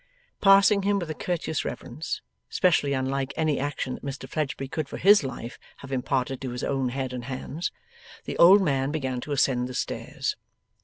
Passing him with a courteous reverence, specially unlike any action that Mr Fledgeby could for his life have imparted to his own head and hands, the old man began to ascend the stairs.